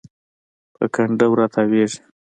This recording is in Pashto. په کنډو راتاویږي